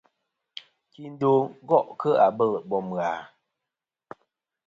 Kindo gò' kɨ abɨl bom ghà?